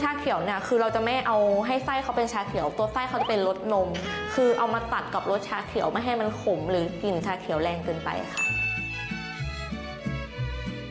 ให้ไส้เขาเป็นชาเขียวตัวไส้เขาจะเป็นรสนมคือเอามาตัดกับรสชาเขียวไม่ให้มันขมหรือกลิ่นชาเขียวแรงเกินไปค่ะ